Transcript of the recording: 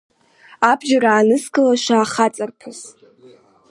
Абџьар аанызкылаша ахаҵарԥыс!